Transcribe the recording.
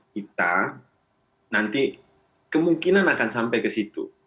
kita nanti kemungkinan akan sampai ke situ